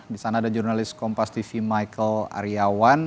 di sana ada jurnalis kompas tv michael aryawan